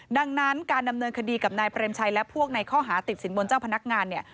ดังนั้นการดำเนินคดีกับนายเปรมชัยและพวกในข้อหาติดสินบนเจ้าพนักงานเนี่ย